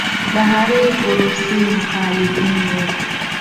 د هغې پروسې مخالفین و